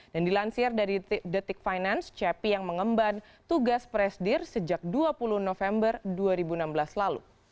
dan dilansir dari detik finance cepi yang mengemban tugas presidir sejak dua puluh november dua ribu enam belas lalu